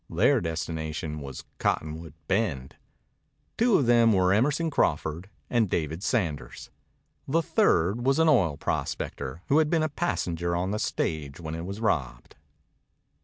Their destination was Cottonwood Bend. Two of them were Emerson Crawford and David Sanders. The third was an oil prospector who had been a passenger on the stage when it was robbed.